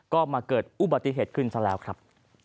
ก็มาเกิดอุบัติเหตุขึ้นซะแล้วครับ